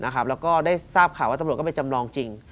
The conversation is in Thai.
แล้วก็ได้ทราบข่าวว่าตำรวจก็ไปจำลองจริง